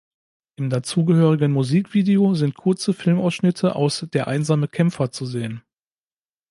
Im dazugehörigen Musikvideo sind kurze Filmausschnitte aus "Der einsame Kämpfer" zu sehen.